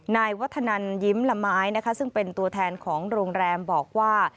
นายวัฒนันยิ้มละไม้นะคะซึ่งเป็นตัวแทนของโรงแรมบอกว่า